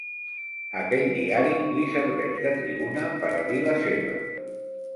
Aquell diari li serveix de tribuna per a dir la seva.